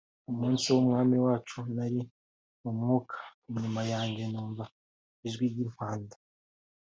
umunsi w’Umwami wacu nari mu Mwuka inyuma yanjye numva ijwi ry’impanda